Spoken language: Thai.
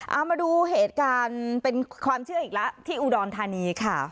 เอามาดูเหตุการณ์เป็นความเชื่ออีกแล้วที่อุดรธานีค่ะ